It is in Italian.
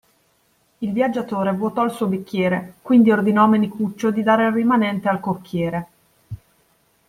Il viaggiatore vuotò il suo bicchiere, quindi ordinò a Menicuccio di dare il rimanente al cocchiere.